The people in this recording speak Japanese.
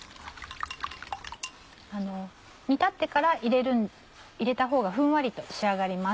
煮立ってから入れたほうがふんわりと仕上がります。